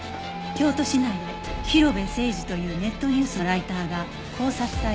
京都市内で広辺誠児というネットニュースのライターが絞殺体で発見